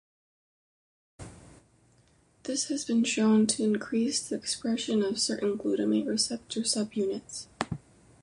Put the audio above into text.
This has been shown to increase the expression of certain glutamate-receptor subunits.